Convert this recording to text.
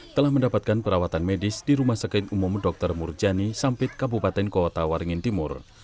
telah mendapatkan perawatan medis di rumah sakit umum dr murjani sampit kabupaten kota waringin timur